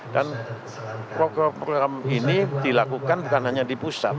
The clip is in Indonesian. dan program ini dilakukan bukan hanya di pusat